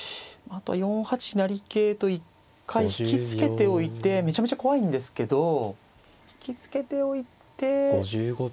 あとは４八成桂と一回引き付けておいてめちゃめちゃ怖いんですけど引き付けておいて。